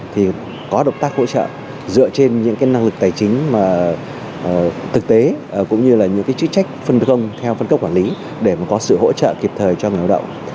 thì có độc tác hỗ trợ dựa trên những năng lực tài chính thực tế cũng như những trích trách phân khung theo phân cấp quản lý để có sự hỗ trợ kịp thời cho người lao động